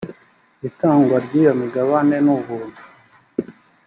itangwa ryiyo migabane nubuntu.